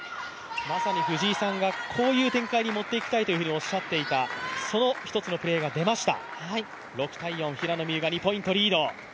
まさに藤井さんがこういう展開に持っていきたいとおっしゃっていたその１つのプレーが出ました。